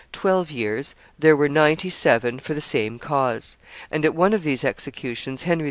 twelve years, there were ninety seven for the same cause, and at one of these executions Henry II.